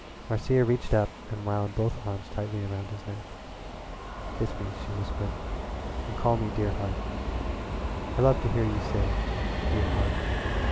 Marcia reached up and wound both arms tightly round his neck. "Kiss me," she whispered, "and call me 'dear heart.' I love to hear you say 'dear heart.'